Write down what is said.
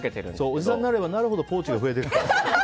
おじさんになればなるほどポーチが増えていくからね。